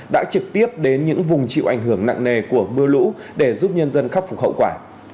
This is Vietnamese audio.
đã trực tiếp đến những vùng chịu ảnh hưởng nặng nề của mưa lũ để giúp nhân dân khắc phục hậu quả